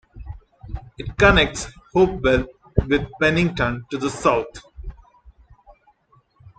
It connects Hopewell with Pennington to the south.